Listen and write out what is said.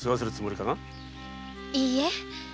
いいえ